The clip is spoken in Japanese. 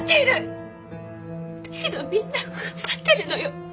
だけどみんな踏ん張ってるのよ。